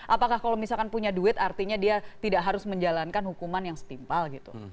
apakah kalau misalkan punya duit artinya dia tidak harus menjalankan hukuman yang setimpal gitu